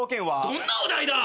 どんなお題だ！？